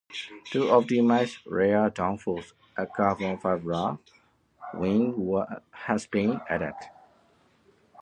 To optimise rear downforce a carbon fibre wing has been added.